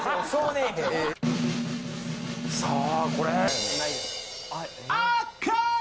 さぁこれ。